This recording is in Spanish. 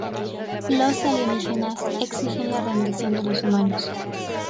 Los alienígenas exigen la rendición de los humanos.